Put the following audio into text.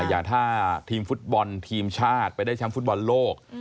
อย่างถ้าทีมฟุตบอลทีมชาติไปได้แชมป์ฟุตบอลโลก